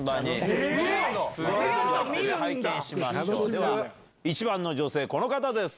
では１番の女性この方です。